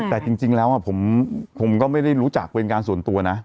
แต่จริงแล้วผมก็ไม่ได้รู้จักเป็นการส่วนตัวนะ